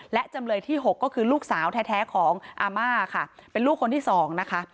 และจำเลยที่๖ก็คือลูกสาวแท้ของอาม่าค่ะเป็นลูกคนที่สองนะคะ